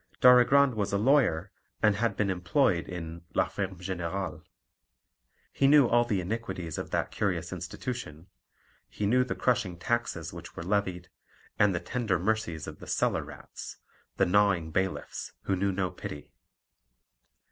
Darigrand was a lawyer, and had been employed in la ferme générale. He knew all the iniquities of that curious institution; he knew the crushing taxes which were levied, and the tender mercies of the "cellar rats," the gnawing bailiffs, who knew no pity.